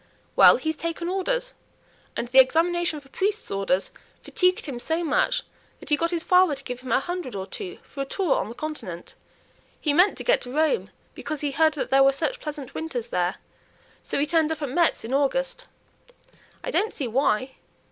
"Well, he's taken orders; and the examination for priest's orders fatigued him so much that he got his father to give him a hundred or two for a tour on the Continent. He meant to get to Rome, because he heard that there were such pleasant winters there. So he turned up at Metz in August." "I don't see why."